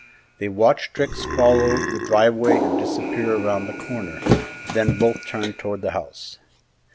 They watched Trix follow the driveway and disappear around the corner, then both turned towards the house.